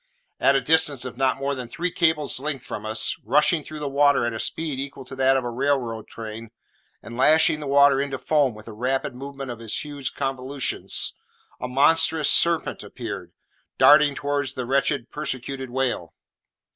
At a distance of not more than three cables' lengths from us, rushing through the water at a speed equal to that of a railway train, and lashing the water into foam with the rapid movement of his huge convolutions, a monstrous serpent appeared, darting towards the wretched persecuted whale.